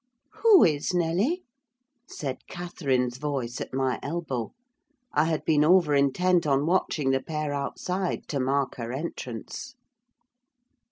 "Who is, Nelly?" said Catherine's voice at my elbow: I had been over intent on watching the pair outside to mark her entrance.